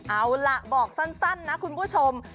เอาล่ะบอกสั้นนะคุณผู้ชม